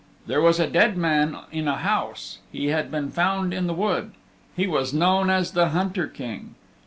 There was a dead man in a house. He had been found in the wood. He was known as the Hunter King.